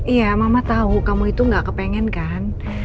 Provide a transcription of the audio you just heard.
iya mama tahu kamu itu gak kepengen kan